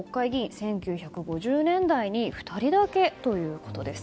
１９５０年代に２人だけということです。